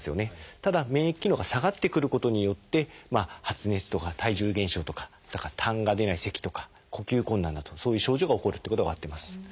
ただ免疫機能が下がってくることによって発熱とか体重減少とかたんが出ないせきとか呼吸困難だとかそういう症状が起こるってことが分かってます。